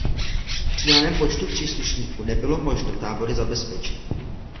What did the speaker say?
Při daném počtu příslušníků nebylo možno tábory zabezpečit.